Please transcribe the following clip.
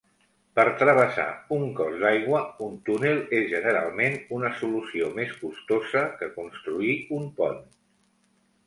Per travessar un cos d'aigua, un túnel és generalment una solució més costosa que construir un pont.